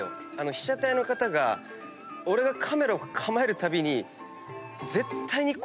被写体の方が俺がカメラを構えるたびに。